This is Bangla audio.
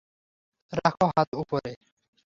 রাখ হাত উপরে!